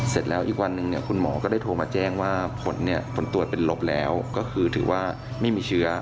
เสร็จแล้วอีกวันหนึ่งเนี่ยคุณหมอก็ได้โทรมาแจ้งว่าผลตรวจเป็นลบแล้วก็คือถือว่าไม่มีเชื้อ